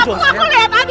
aku aku liat adi